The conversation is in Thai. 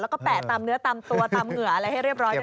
แล้วก็แปะตามเนื้อตามตัวตามเหงื่ออะไรให้เรียบร้อย